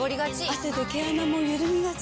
汗で毛穴もゆるみがち。